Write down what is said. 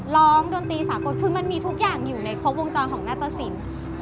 ดนตรีสากลคือมันมีทุกอย่างอยู่ในครบวงจรของหน้าตะสิน